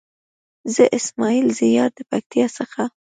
زه اسماعيل زيار د پکتيا څخه.